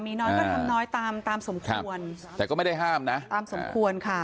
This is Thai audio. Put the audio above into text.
มีน้อยก็ทำน้อยตามตามสมควรแต่ก็ไม่ได้ห้ามนะตามสมควรค่ะ